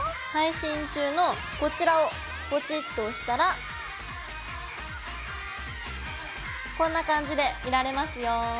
配信中のこちらをポチッと押したらこんな感じで見られますよ。